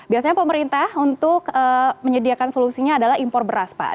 biasanya pemerintah untuk menyediakan solusinya adalah impor beras pak